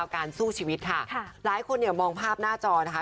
การสู้ชีวิตค่ะหลายคนเนี่ยมองภาพหน้าจอนะคะ